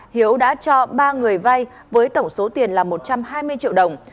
hiếu đã cho ba người vay với tổng số tiền là một trăm hai mươi triệu đồng